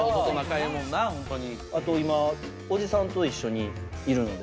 弟かあと今おじさんと一緒にいるので。